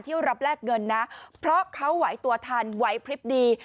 รับแลกเงินนะเพราะเขาไหวตัวทันไหวพลิบดี